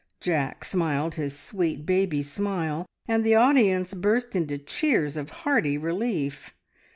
Jack smiled his sweet, baby smile, and the audience burst into cheers of hearty relief.